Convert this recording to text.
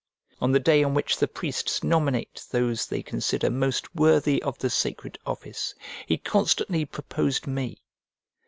On the day on which the priests nominate those they consider most worthy of the sacred office he constantly proposed me.